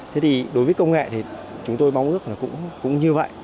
thế thì đối với công nghệ thì chúng tôi mong ước là cũng như vậy